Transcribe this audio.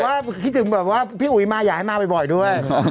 วันนี้ผู้ชมบอกว่าคิดถึงแบบว่าพี่อุ๋ยมาอยากให้มาบ่อยด้วย